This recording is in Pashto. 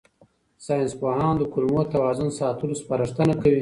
ساینسپوهان د کولمو توازن ساتلو سپارښتنه کوي.